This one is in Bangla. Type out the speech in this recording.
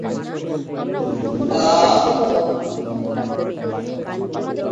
একচেটিয়া বাজারের বিদ্যমান একটি মাত্র প্রতিষ্ঠান পণ্যের বা সেবার মূল্য বৃদ্ধির ক্ষমতা রাখে।